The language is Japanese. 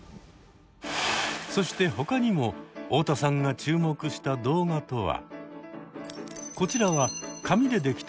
そしてほかにも太田さんが注目した動画とは。